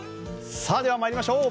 では参りましょう。